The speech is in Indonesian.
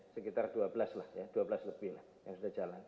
sekitar dua belas lah ya dua belas lebih lah yang sudah jalan